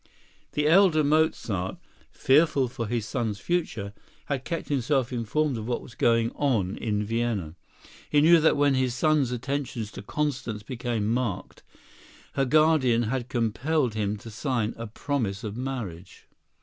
The elder Mozart, fearful for his son's future, had kept himself informed of what was going on in Vienna. He knew that when his son's attentions to Constance became marked, her guardian had compelled him to sign a promise of marriage.